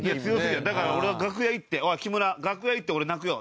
だから俺は楽屋行っておい木村楽屋行って俺泣くよ。